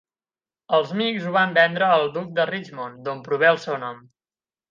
Els Meeks ho van vendre al duc de Richmond, d'on prové el seu nom.